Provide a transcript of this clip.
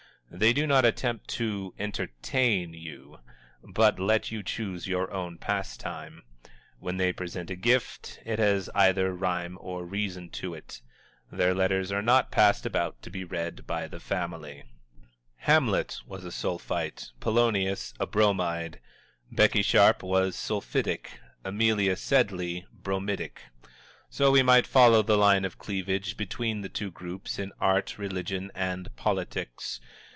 They do not attempt to "entertain" you, but let you choose your own pastime. When they present a gift, it has either rhyme or reason to it. Their letters are not passed about to be read by the family. Hamlet was a Sulphite; Polonius a Bromide. Becky Sharp was sulphitic; Amelia Sedley bromidic. So we might follow the line of cleavage between the two groups in Art, Religion and Politics.